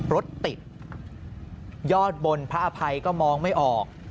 รถติดยอดบนพระอภัยก็มองไม่ออก